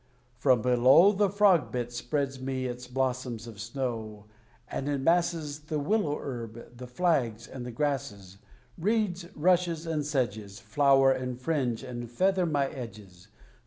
From below The Frog bit spreads me its blossoms of snow, And in masses The Willow herb, the flags, and the grasses, Reeds, rushes, and sedges, Flower and fringe and feather my edges.